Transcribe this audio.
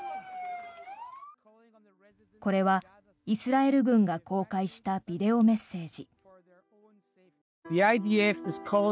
これは、イスラエル軍が公開したビデオメッセージ。